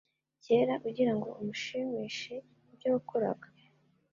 kera ugirango umushimishe nibyo wakoraga